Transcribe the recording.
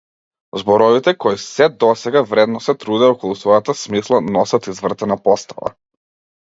Зборовите кои сѐ до сега вредно се трудеа околу својата смисла носат извртена постава.